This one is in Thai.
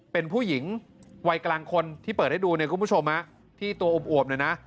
เป็นผู้หญิงวัยกลางคนที่เปิดให้ดูที่ตัวอบเลยนะ